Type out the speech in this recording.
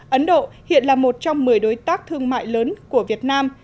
ấn độ hiện là một trong một mươi đối tác thương mại lớn của việt nam